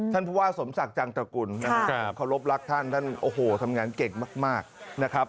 ท่านภูว่าสมสักจังตรกุลฉันโขลบรักท่านท่านทำงานเก่งมากนะครับ